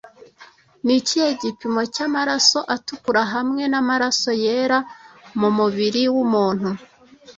Ni ikihe gipimo cy'amaraso atukura hamwe n'amaraso yera mu mubiri w'umuntu